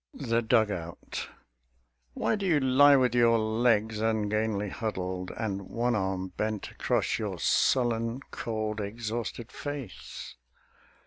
_" THE DUG OUT Why do you lie with your legs ungainly huddled, And one arm bent across your sullen cold Exhausted face?